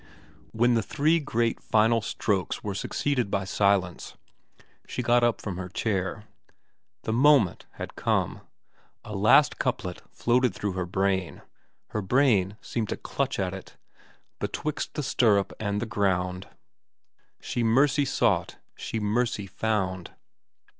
When the three great final strokes were succeeded by silence, she got up from her chair. The moment had come. A last couplet floated through her brain, her brain seemed to clutch at it : Betwixt the stirrup and the ground She mercy sought, she mercy found.